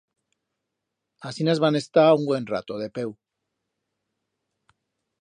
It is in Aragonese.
Asinas van estar un buen rato, de peu.